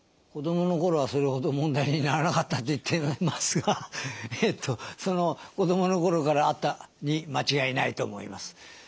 子どもの頃はそれほど問題にならなかったと言っていますがその子どもの頃からあったに間違いないと思います。